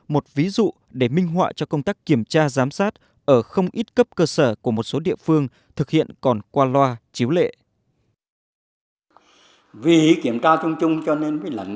một ví dụ để minh họa cho công tác kiểm tra giám sát ở không ít cấp cơ sở của một số địa phương thực hiện còn qua loa chiếu lệ